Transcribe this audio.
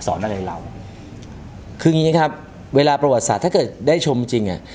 อะไรเราคืองี้ครับเวลาประวัติศาสตร์ถ้าเกิดได้ชมจริงจริงอ่ะ